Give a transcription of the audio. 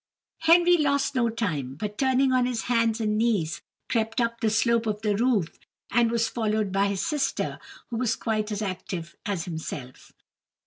Henry lost no time, but, turning on his hands and knees, crept up the slope of the roof, and was followed by his sister, who was quite as active as himself.